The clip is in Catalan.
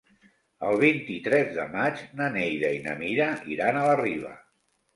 El vint-i-tres de maig na Neida i na Mira iran a la Riba.